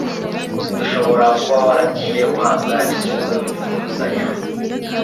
ushobora kuba waragiye uhabwa ibisubizo bivuguruzanya